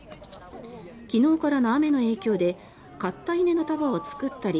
昨日からの雨の影響で刈った稲の束を作ったり